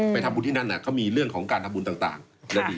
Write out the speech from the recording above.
ไปทำบุญที่นั่นเขามีเรื่องของการทำบุญต่าง